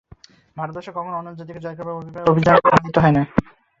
ভারতবর্ষ কখনও অন্য জাতিকে জয় করিবার অভিপ্রায়ে অভিযানে বাহির হয় নাই।